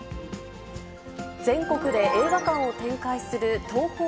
全国で映画館を展開するＴＯＨＯ